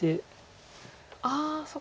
ああそっか。